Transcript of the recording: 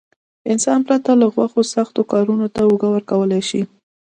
انسان پرته له غوښو سختو کارونو ته اوږه ورکولای شي.